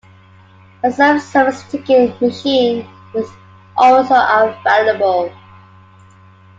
A self-service ticket machine is also available.